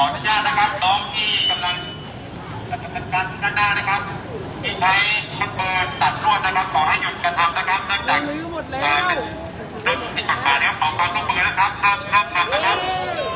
การประตูกรมทหารที่สิบเอ็ดเป็นภาพสดขนาดนี้นะครับ